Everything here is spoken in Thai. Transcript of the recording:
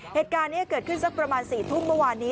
เหตุการณ์นี้เกิดขึ้นสักประมาณ๔ทุ่มเมื่อวานนี้